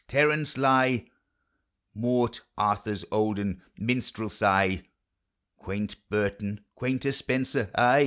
Terence lie; Mort Arthur's olden minstrelsie, Quaint Burton, quainter Spenser, ay!